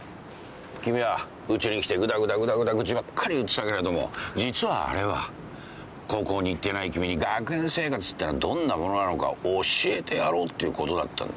君はうちに来てぐだぐだぐだぐだ愚痴ばっかり言ってたけれども実はあれは高校に行っていない君に学園生活ってのはどんなものなのか教えてやろうっていうことだったんだよ。